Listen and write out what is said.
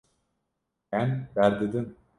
Em berdidin.